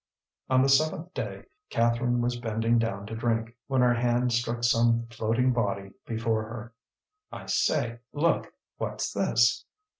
On the seventh day Catherine was bending down to drink, when her hand struck some floating body before her. "I say, look! What's this?"